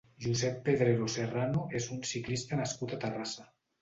Josep Pedrero Serrano és un ciclista nascut a Terrassa.